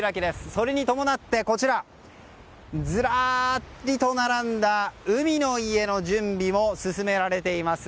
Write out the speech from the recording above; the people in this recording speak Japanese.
それに伴ってずらりと並んだ海の家の準備も進められています。